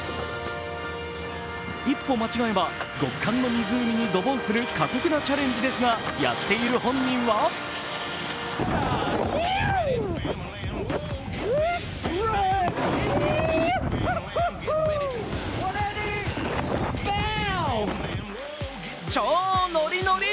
一歩間違えば極寒の湖にドボンする過酷なチャレンジですがやっている本人は超ノリノリ！